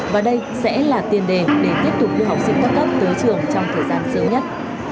và đây sẽ là tiền đề để tiếp tục đưa học sinh cao cấp tối trường trong thời gian xíu nhất